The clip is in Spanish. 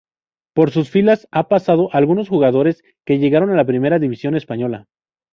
Por sus filas han pasado algunos jugadores que llegaron a la Primera división española.